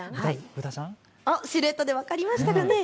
シルエットで分かりましたかね。